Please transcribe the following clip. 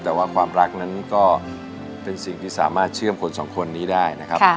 แต่ว่าความรักนั้นก็เป็นสิ่งที่สามารถเชื่อมคนสองคนนี้ได้นะครับ